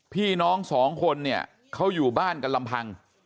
พี่น้องสองคนเนี่ยเขาอยู่บ้านกันลำพัง